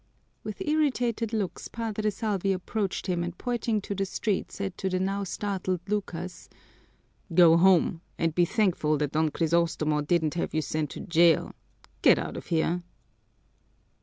With irritated looks Padre Salvi approached him and pointing to the street said to the now startled Lucas, "Go home and be thankful that Don Crisostomo didn't have you sent to jail! Get out of here!"